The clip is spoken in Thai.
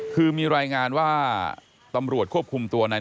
คือมีรายงานว่าตำรวจควบคุมตัวใน